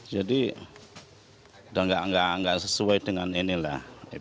jadi udah nggak sesuai dengan inilah